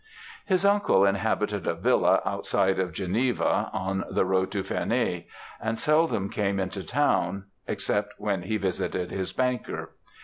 "His uncle inhabited a villa outside of Geneva, on the road to Ferney, and seldom came into the town, except when he visited his banker.